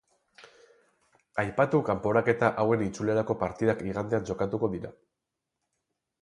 Aipatu kanporaketa hauen itzulerako partidak igandean jokatuko dira.